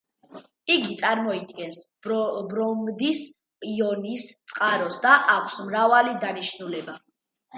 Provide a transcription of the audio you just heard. იგი წარმოადგენს ბრომიდის იონის წყაროს და აქვს მრავალი დანიშნულება.